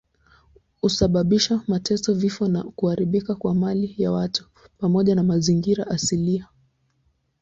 Husababisha mateso, vifo na kuharibika kwa mali ya watu pamoja na mazingira asilia.